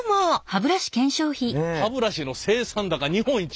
「歯ブラシの生産高日本一」。